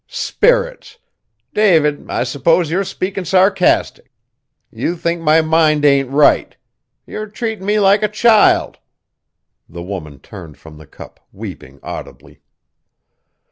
"Spirits! David, I s'pose you're speakin' sarcastic. You think my mind ain't right. You're treatin' me like a child!" The woman turned from the cup, weeping audibly.